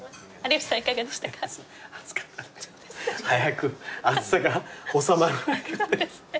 早く暑さが収まらないかね。